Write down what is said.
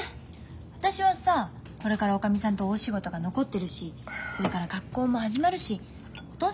私はさこれからおかみさんと大仕事が残ってるしそれから学校も始まるしお父さんの面倒見てられないの。